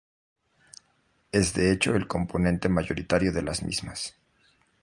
Es de hecho el componente mayoritario de las mismas.